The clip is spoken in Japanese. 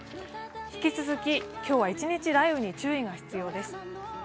引き続き今日は一日雷雨に注意が必要です。